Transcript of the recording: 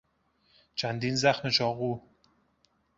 چندین زخم چاقو